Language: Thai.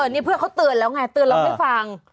นี่เพื่อนเขาเตือนแล้วไงเตือนแล้วไม่ฟัง